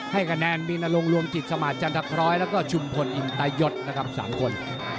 ให้คะแนนมีนรงรวมจิตสมาธิจันทพรร้อยแล้วก็ชุมพลอินตายศนะครับ๓คน